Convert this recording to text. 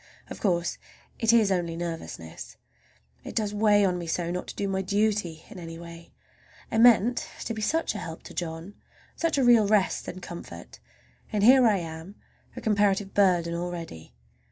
Of course it is only nervousness. It does weigh on me so not to do my duty in any way! I meant to be such a help to John, such a real rest and comfort, and here I am a comparative burden already!